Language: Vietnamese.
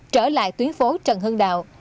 trở lại tuyến phố trần hưng đạo